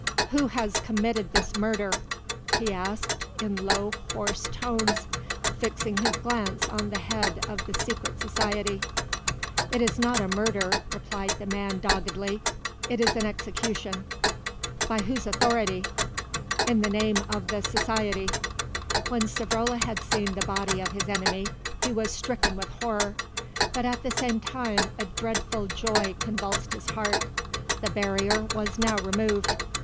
"Who has committed this murder?" he asked in low hoarse tones, fixing his glance on the head of the Secret Society. "It is not a murder," replied the man doggedly; "it is an execution." "By whose authority?" "In the name of the Society." When Savrola had seen the body of his enemy, he was stricken with horror, but at the same time a dreadful joy convulsed his heart; the barrier was now removed.